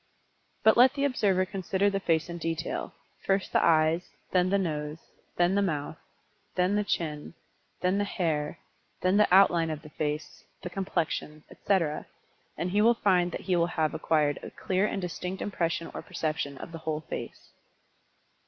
But let the observer consider the face in detail, first the eyes, then the nose, then the mouth, then the chin, then the hair, then the outline of the face, the complexion, etc., and he will find that he will have acquired a clear and distinct impression or perception of the whole face.